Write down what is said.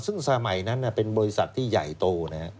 ซึ่งสมัยนั้นเป็นบริษัทที่ใหญ่โต